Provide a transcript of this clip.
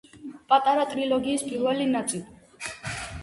პატარა ტრილოგიის პირველი ნაწილი.